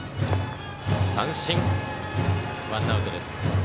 三振、ワンアウト。